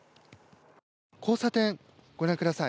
交差点、ご覧ください。